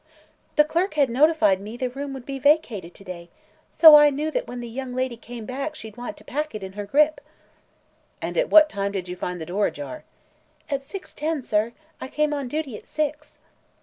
"The clerk had notified me the room would be vacated to day. So I knew that when the young lady came back she'd want to pack it in her grip." "And at what time did you find the door ajar?" "At six ten, sir. I come on duty at six."